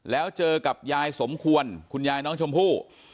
แล้วเจอกับยายสมควรคุณยายน้องชมพู่